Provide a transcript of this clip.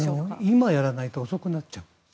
今やらないと遅くなっちゃう。